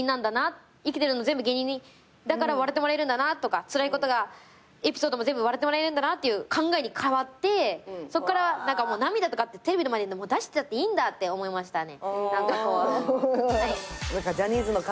生きてるの全部芸人だから笑ってもらえるんだなとかつらいことがエピソードも全部笑ってもらえるんだなっていう考えに変わってそっから涙とかってテレビでも出していいんだって思いましたね。